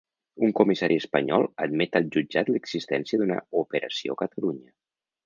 Un comissari espanyol admet al jutjat l’existència d’una ‘operació Catalunya’